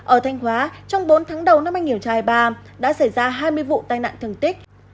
ở thanh hóa trong bốn tháng đầu năm hai nghìn hai mươi ba đã xảy ra hai mươi vụ tai nạn thương tích